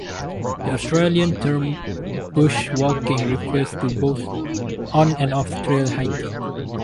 The Australian term bushwalking refers to both on and off-trail hiking.